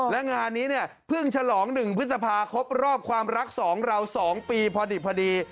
และงานนี้เพิ่งฉลอง๑พฤษภาครบรอบความรัก๒เรา๒ปีพอดี